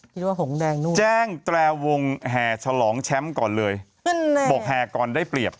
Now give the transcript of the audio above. คิดว่าหงแดงนู่นแจ้งแตรวงแห่ฉลองแชมป์ก่อนเลยบอกแห่ก่อนได้เปรียบ